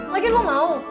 lagian gua mau